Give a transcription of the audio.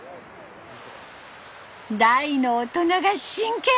大の大人が真剣。